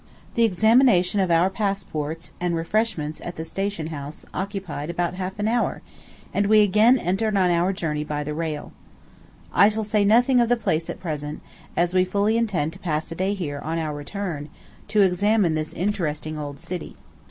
The examination of our passports, and refreshment at the station house, occupied about half an hour, and we again entered on our journey by the rail. I shall say nothing of the place, at present, as we fully intend to pass a day here, on our return, to examine this interesting old city.